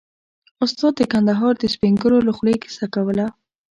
استاد د کندهار د سپين ږيرو له خولې کيسه کوله.